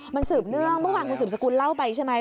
มันสืบเนื่องเมื่อวานคุณสืบสกุลเล่าไปใช่ไหม